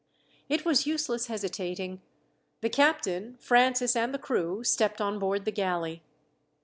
It was useless hesitating. The captain, Francis, and the crew stepped on board the galley.